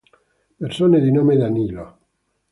Persone di nome Danilo